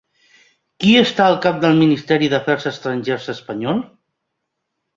Qui està al cap del Ministeri d'Afers Estrangers espanyol?